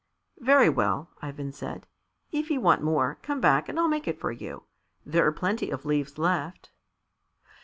"Very well," Ivan said; "if you want more, come back and I'll make it for you. There are plenty of leaves left."